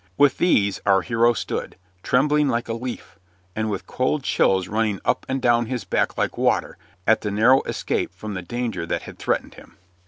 With these our hero stood, trembling like a leaf, and with cold chills running up and down his back like water at the narrow escape from the danger that had threatened him.